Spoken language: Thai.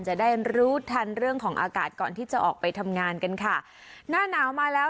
จะได้รู้ทันเรื่องของอากาศก่อนที่จะออกไปทำงานกันค่ะหน้าหนาวมาแล้ว